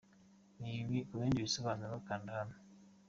Ku bindi bisobanuro, kanda hano :.